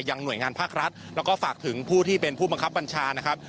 หน่วยงานภาครัฐแล้วก็ฝากถึงผู้ที่เป็นผู้บังคับบัญชานะครับ